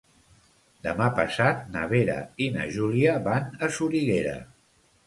Demà passat na Vera i na Júlia van a Soriguera.